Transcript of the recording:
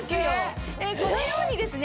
このようにですね